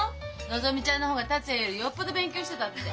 のぞみちゃんの方が達也よりよっぽど勉強してたって。